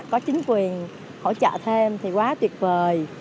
có chính quyền hỗ trợ thêm thì quá tuyệt vời